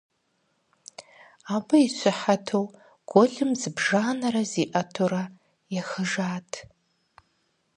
Абы и щыхьэту гуэлым зыбжанэрэ зиӀэтурэ ехыжат.